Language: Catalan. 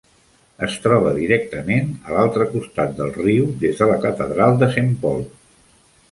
Es troba directament a l'altre costat del riu des de la catedral de Saint Paul.